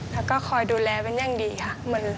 แล้วก็คอยดูแลเป็นอย่างดีค่ะ